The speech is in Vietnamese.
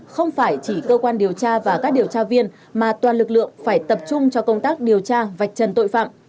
không phải chỉ cơ quan điều tra và các điều tra viên mà toàn lực lượng phải tập trung cho công tác điều tra vạch trần tội phạm